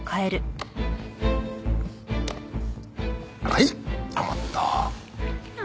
はい。